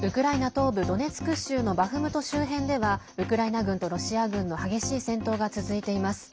東部ドネツク州のバフムト周辺ではウクライナ軍とロシア軍の激しい戦闘が続いています。